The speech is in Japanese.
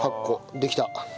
できた。